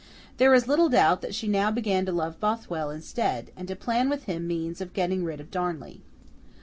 There is little doubt that she now began to love Bothwell instead, and to plan with him means of getting rid of Darnley.